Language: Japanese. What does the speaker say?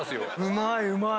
うまいうまい！